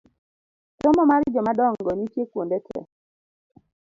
Somo mar jomadongo nitie kuonde te